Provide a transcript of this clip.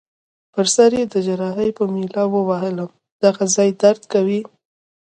پر سر يي د جراحۍ په میله ووهلم: دغه ځای دي درد کوي؟